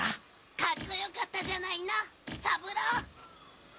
カッコよかったじゃないのサブロー！